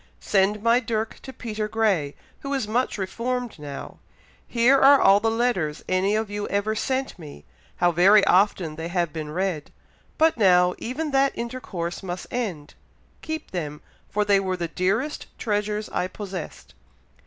Send my dirk to Peter Grey, who is much reformed now. Here are all the letters any of you ever sent me; how very often they have been read! but now, even that intercourse must end; keep them, for they were the dearest treasures I possessed.